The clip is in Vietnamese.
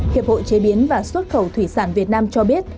hiệp hội chế biến và xuất khẩu thủy sản việt nam cho biết